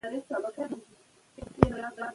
که نجونې حافظانې وي نو قران به نه هیریږي.